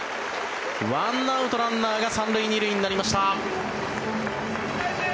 １アウト、ランナーが３塁２塁になりました。